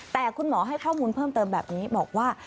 แต่คุณหมอให้ข้อมูลเพิ่มเติมแบบนี้บอกว่า